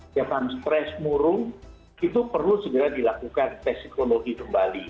setiap stress murung itu perlu segera dilakukan psikologi kembali